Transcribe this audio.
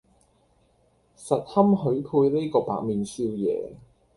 實堪許配呢個白面少爺